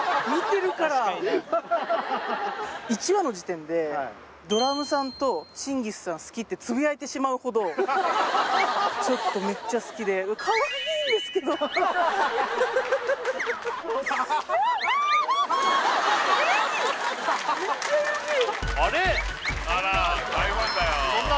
１話の時点でドラムさんとチンギスさんすきってつぶやいてしまうほどちょっとめっちゃ好きでめっちゃうれしいそんな？